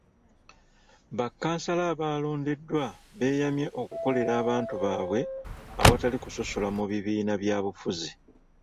Bakkansala abaalondeddwa beeyamye okukolera abantu baabwe awatali kusosola mu bibiina byabufuzi.